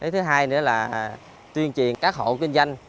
thứ hai nữa là tuyên truyền các hộ kinh doanh